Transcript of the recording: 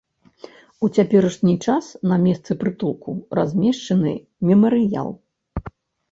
У цяперашні час на месцы прытулку размешчаны мемарыял.